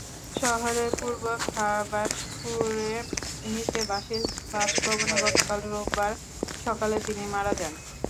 শহরের পূর্ব খাবাসপুরে নিজ বাসভবনে গতকাল রোববার সকালে তিনি মারা যান।